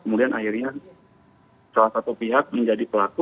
kemudian akhirnya salah satu pihak menjadi pelaku